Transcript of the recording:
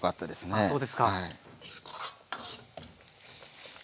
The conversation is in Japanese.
あっそうですか。